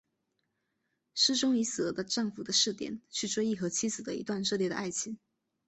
诗中以死了的丈夫的视点去追忆和妻子的一段热烈的爱情。